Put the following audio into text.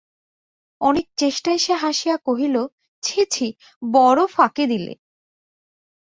অনেক চেষ্টায় সে হাসিয়া কহিল, ছি ছি, বড়ো ফাঁকি দিলে।